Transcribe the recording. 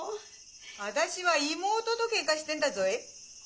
私は妹とケンカしてんだぞい。